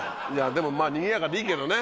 でもにぎやかでいいけどね。